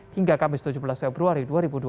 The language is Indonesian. hingga kamis tujuh belas februari dua ribu dua puluh